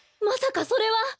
まさかそれは。